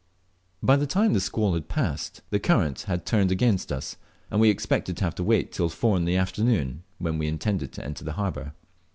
By the time the squall had passed, the current had turned against us, and we expected to have to wait till four in the afternoon, when we intended to enter the harbour.